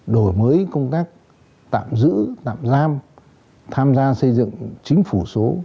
đổi mới công tác tạm giữ tạm giam tham gia xây dựng chính phủ số